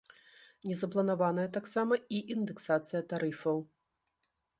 Не запланаваная таксама і індэксацыя тарыфаў.